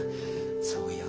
そうよ